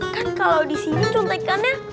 kan kalau disini cuntikannya aman